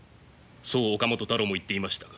そう岡本太郎も言っていましたが。